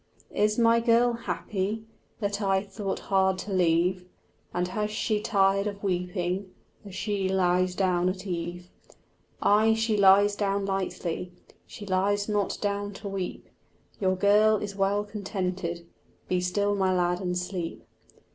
"Is my girl happy, That I thought hard to leave, And has she tired of weeping As she lies down at eve?" Ay, she lies down lightly, She lies not down to weep: Your girl is well contented. Be still, my lad, and sleep.